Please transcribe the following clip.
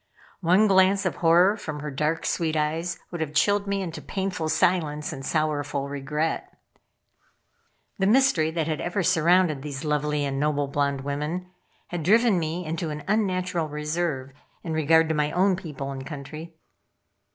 One glance of horror from her dark, sweet eyes, would have chilled me into painful silence and sorrowful regret. The mystery that had ever surrounded these lovely and noble blonde women had driven me into an unnatural reserve in regard to my own people and country.